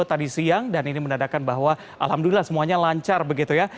tadi siang dan ini menandakan bahwa alhamdulillah semuanya lancar begitu ya